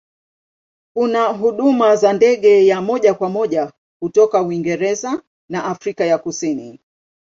Kuna huduma za ndege ya moja kwa moja kutoka Uingereza na Afrika ya Kusini.